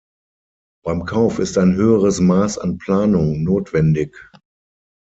Beim Kauf ist ein höheres Maß an Planung notwendig.